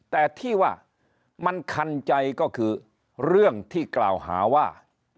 แต่ที่ว่ามันคันใจก็คือเรื่องที่กล่าวหาว่า